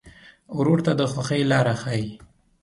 ورور ته د خوښۍ لاره ښيي.